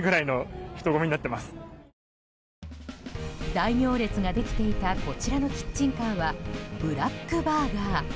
大行列ができていたこちらのキッチンカーはブラックバーガー。